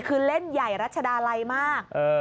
คือเล่นใหญ่รัชดาลัยมาก